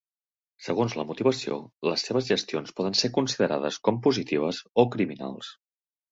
Segons la motivació, les seves gestions poden ser considerades com positives o criminals.